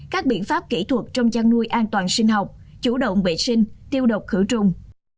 các biện pháp kỹ thuật trong chăn nuôi an toàn sinh học chủ động vệ sinh tiêu độc khử trùng